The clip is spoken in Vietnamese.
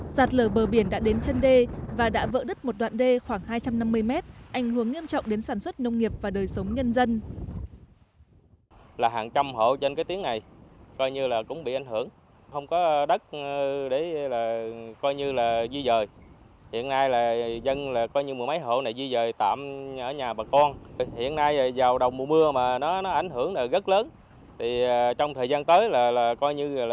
sạt lở bờ biển đã đến chân đê và đã vỡ đất một đoạn đê khoảng hai trăm năm mươi mét ảnh hưởng nghiêm trọng đến sản xuất nông nghiệp và đời sống nhân dân